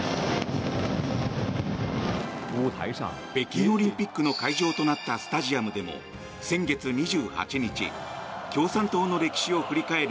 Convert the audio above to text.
北京オリンピックの会場となったスタジアムでも先月２８日共産党の歴史を振り返る